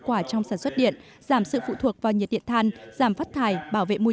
quả trong sản xuất điện giảm sự phụ thuộc vào nhiệt điện than giảm phát thải bảo vệ môi